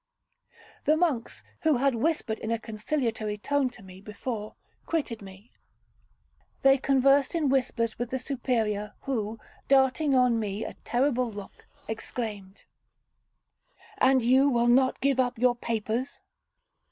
The monks, who had whispered in a conciliatory tone to me before, quitted me. They conversed in whispers with the Superior, who, darting on me a terrible look, exclaimed, 'And you will not give up your papers?'